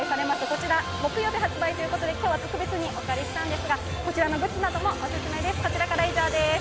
こちら、木曜日発売ということで今日は特別にお借りしたんですがこちらのグッズなどもお勧めです。